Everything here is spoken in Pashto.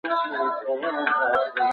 بریښنايي سوداګرۍ ډېر مینه وال پیدا کړي.